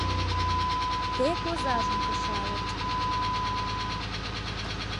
Тек озажым кычалыт.